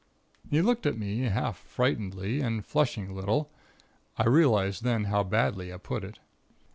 "He looked at me, half frightenedly and flushing a little. I realized then how badly I put it.